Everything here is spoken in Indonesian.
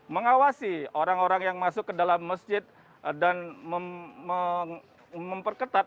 mengawasi orang orang yang masuk ke dalam masjid dan memperketat